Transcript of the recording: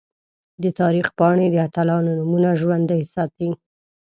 د تاریخ پاڼې د اتلانو نومونه ژوندۍ ساتي.